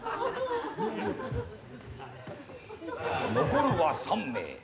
残るは３名。